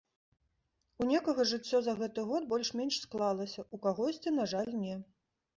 У некага жыццё за гэты год больш-менш склалася, у кагосьці, на жаль, не.